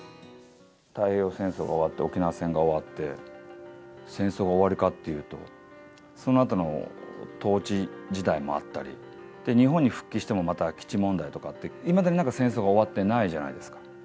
太平洋戦争が終わって、沖縄戦が終わって、戦争が終わりかっていうと、そのあとの統治時代もあったり、日本に復帰してもまた基地問題とかあって、いまだになんか戦争が終わってないじゃないですか。